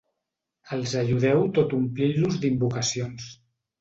Els ajudeu tot omplint-los d'invocacions.